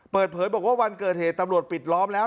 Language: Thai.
เปิดเผยบอกว่าวันเกิดเหตุตำรวจปิดล้อมแล้ว